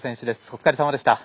お疲れさまでした。